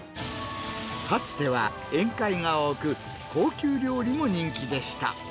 かつては宴会が多く、高級料理も人気でした。